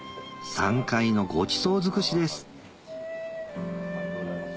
山海のごちそう尽くしです